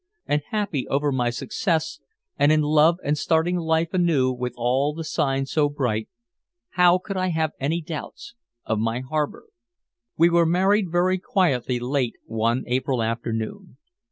And happy over my success, and in love and starting life anew with all the signs so bright how could I have any doubts of my harbor? We were married very quietly late one April afternoon.